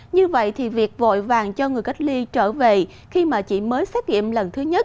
như vậy thì việc vội vàng cho người cách ly trở về khi mà chỉ mới xét nghiệm lần thứ nhất